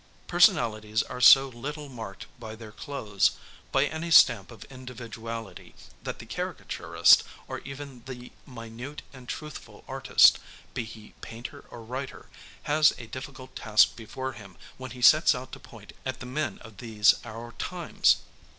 Personalities are so little marked by their clothes, by any stamp of individuality, that the caricaturist, or even the minute and truthful artist, be he painter or writer, has a difficult task before him when he sets out to point at the men of these our times.